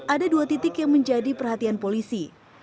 ada dua titik yang menjadi perhatian polisi